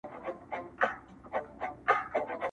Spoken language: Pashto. ستا د ساندو په دېوان کي له مُسکا څخه لار ورکه.!.!